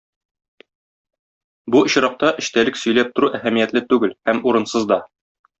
Бу очракта эчтәлек сөйләп тору әһәмиятле түгел һәм урынсыз да.